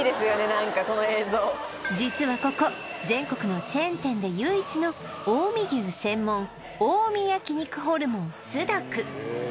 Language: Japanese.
何かこの映像実はここ全国のチェーン店で唯一の近江牛専門近江焼肉ホルモンすだく